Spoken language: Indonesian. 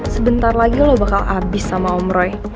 sebentar lagi lo bakal habis sama om roy